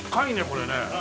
これね。